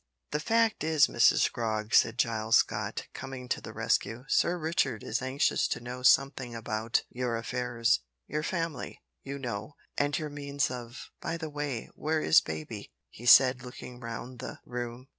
"The fact is, Mrs Frog," said Giles Scott, coming to the rescue, "Sir Richard is anxious to know something about your affairs your family, you know, and your means of by the way, where is baby?" he said looking round the room.